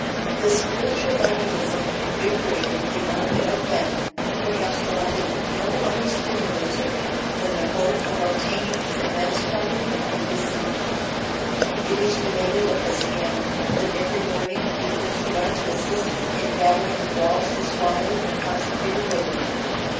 This spiritual laconism invigorated the arm of men who perhaps wanted no other stimulative than the hope of obtaining the immense property of the besieged. It is related of this canon, that every morning before he went to assist in battering the walls he swallowed a consecrated wafer.